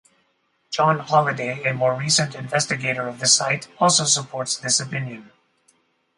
John Holladay, a more recent investigator of the site, also supports this opinion.